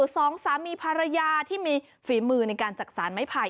สองสามีภรรยาที่มีฝีมือในการจักษานไม้ไผ่